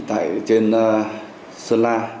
tại trên sơn la